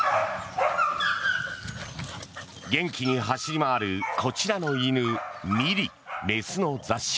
元気に走り回るこちらの犬、ミリ、雌の雑種